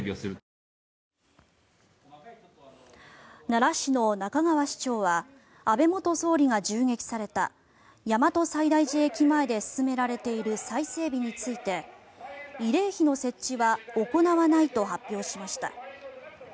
奈良市の仲川市長は安倍元総理が銃撃された大和西大寺駅前で進められている再整備について慰霊碑の設置は行わないと発表しました。